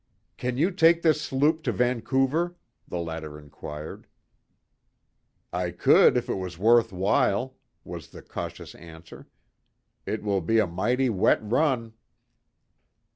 "Can you take this sloop to Vancouver?" the latter inquired. "I could if it was worth while," was the cautious answer. "It will be a mighty wet run."